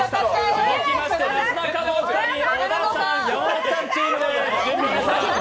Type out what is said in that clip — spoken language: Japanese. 続きましてなすなかのお二人、山本さん小田さんのチームです。